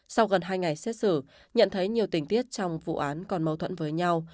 sau gần hai ngày xét xử nhận thấy nhiều tình tiết trong vụ án còn mâu thuẫn với nhau